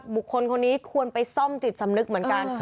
บุคคลคนนี้ควรไปซ่อมจิตสำนึกเหมือนกัน